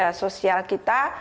media sosial kita